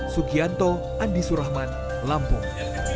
sugianto andi surahman lampung